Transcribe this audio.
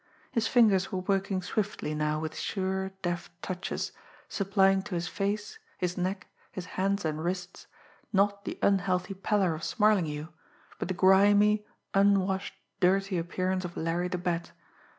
His fingers were working swiftly now with sure, deft touches, supplying to his face, his neck, his hands and wrists, not the unhealthy pallor of Smarlinghue, but the grimy, unwashed, dirty appearance of Larry the Bat.